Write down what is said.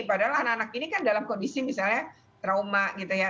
padahal anak anak ini kan dalam kondisi misalnya trauma gitu ya